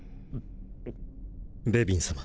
ベビン様。